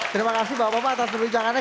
terima kasih bapak bapak atas perbincangannya